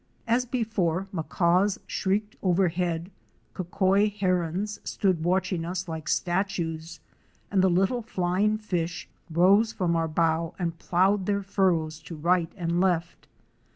As before, Macaws shrieked overhead, Cocoi Herons stood watching us like statues and the little flying fish rose from our bow and ploughed their furrows to right and left.